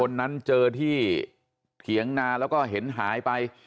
คนนั้นเจอที่เถียงนาแล้วก็เห็นหายไป